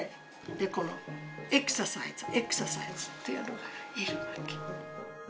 でこのエクササイズエクササイズっていうのがいるわけ。